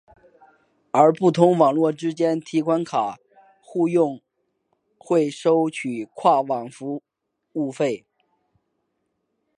而不同网络之间的提款卡互用会收取跨网服务费。